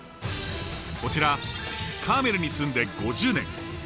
こちらカーメルに住んで５０年。